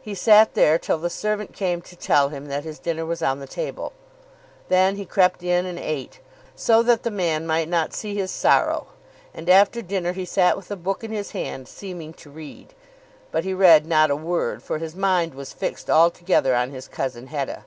He sat there till the servant came to tell him that his dinner was on the table. Then he crept in and ate, so that the man might not see his sorrow; and, after dinner, he sat with a book in his hand seeming to read. But he read not a word, for his mind was fixed altogether on his cousin Hetta.